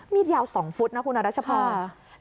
ยาว๒ฟุตนะคุณรัชพร